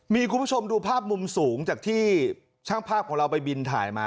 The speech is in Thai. มีคุณผู้ชมดูภาพมุมสูงจากที่ช่างภาพของเราไปบินถ่ายมา